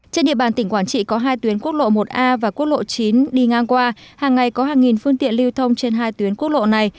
trên địa bàn tỉnh quảng trị có hai tuyến quốc lộ một a và quốc lộ chín đi ngang qua hàng ngày có hàng nghìn phương tiện lưu thông trên hai tuyến quốc lộ này